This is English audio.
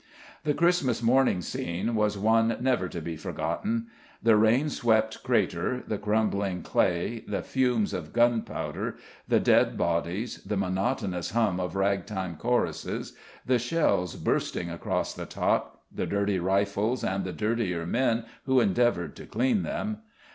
The Christmas morning scene was one never to be forgotten: the rain swept crater, the crumbling clay, the fumes of gunpowder, the dead bodies, the monotonous hum of ragtime choruses, the shells bursting across the top, the dirty rifles and the dirtier men who endeavoured to clean them.